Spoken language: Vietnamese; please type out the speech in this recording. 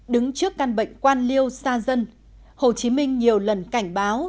đứng trước căn bệnh quan liêu xa dân hồ chí minh nhiều lần cảnh báo